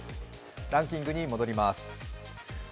ランキングに戻ります。